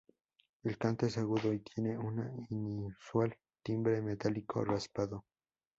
El canto es agudo y tiene una inusual timbre metálico, raspado.